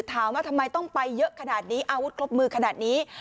ถามว่าทำไมต้องไปเยอะขนาดนี้อาวุธครบมือขนาดนี้